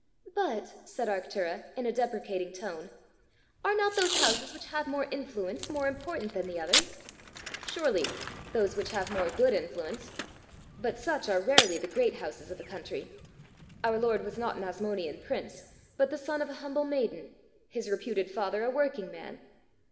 "But," said Arctura, in a deprecating tone, "are not those houses which have more influence more important than the others?" "Surely those which have more good influence. But such are rarely the great houses of a country. Our Lord was not an Asmonaean prince, but the son of a humble maiden, his reputed father a working man."